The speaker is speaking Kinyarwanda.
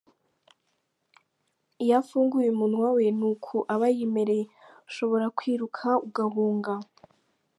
Iyo afunguye umunwa we ni uku aba yimereye, ushobora kwiruka ugahunga!! .